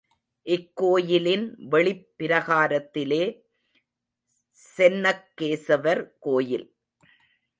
இக்கோயிலின் வெளிப் பிரகாரத்திலே, சென்னக்கேசவர் கோயில்.